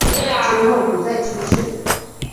之后不再出仕。